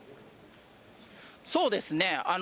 そうですね。